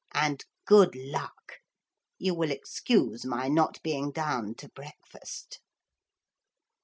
And good luck! You will excuse my not being down to breakfast.'